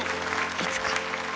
いつか。